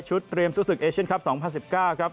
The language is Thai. ชุดเตรียมซูซึกเอเชียนครับ๒๐๑๙